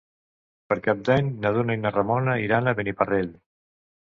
Per Cap d'Any na Duna i na Ramona iran a Beniparrell.